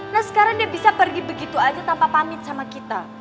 nah sekarang dia bisa pergi begitu aja tanpa pamit sama kita